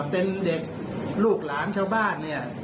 เป็นเด็กลูกหลานชาวบ้านเนี่ย